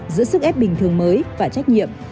giữa sức ép bình thường mới và trách nhiệm